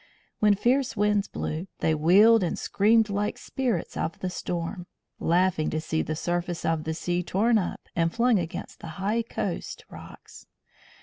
When fierce winds blew, they wheeled and screamed like spirits of the storm, laughing to see the surface of the sea torn up and flung against the high coast rocks.